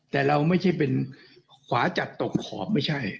แต่เราไม่ใช่เป็นขวาจัดตกขอบไม่ใช่